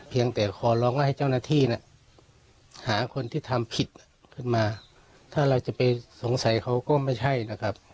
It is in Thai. ขอร้องว่าให้เจ้าหน้าที่เนี่ยหาคนที่ทำผิดขึ้นมาถ้าเราจะไปสงสัยเขาก็ไม่ใช่นะครับ